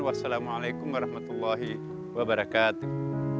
wassalamualaikum warahmatullahi wabarakatuh